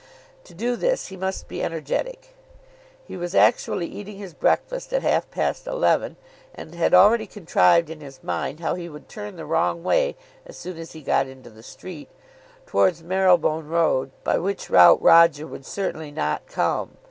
To do this he must be energetic. He was actually eating his breakfast at half past eleven, and had already contrived in his mind how he would turn the wrong way as soon as he got into the street, towards Marylebone Road, by which route Roger would certainly not come.